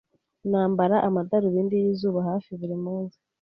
Nambara amadarubindi yizuba hafi buri munsi.